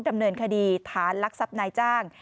ดำเนินคดีฐานลักทรัพย์นายจ้าง